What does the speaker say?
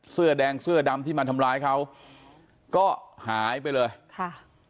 เสื้อแดงเสื้อดำที่มาทำร้ายเขาก็หายไปเลยค่ะ